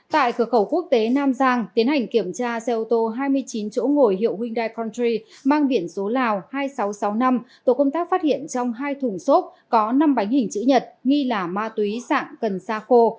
tại cửa khẩu quốc tế nam giang tiến hành kiểm tra xe ô tô hai mươi chín chỗ ngồi hiệu hyundai contry mang biển số lào hai nghìn sáu trăm sáu mươi năm tổ công tác phát hiện trong hai thùng xốp có năm bánh hình chữ nhật nghi là ma túy sạng cần xa khô